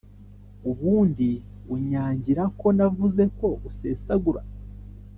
Ubundi unyangirako navuzeko usesagura